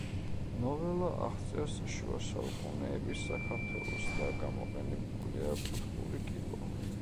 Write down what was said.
ნოველა აღწერს შუასაუკუნეების საქართველოს და გამოყენებულია კუთხური კილო.